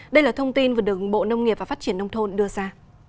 đây là thông tin vừa được bộ nông nghiệp và phát triển nông thôn đưa ra